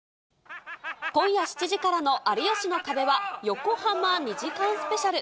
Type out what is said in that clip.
今夜７時からの有吉の壁は、横浜２時間スペシャル。